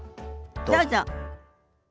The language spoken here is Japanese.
どうぞ。